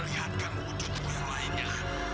lihatkan wujudmu yang lainnya